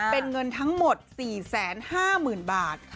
เป็นเงินทั้งหมด๔๕๐๐๐บาท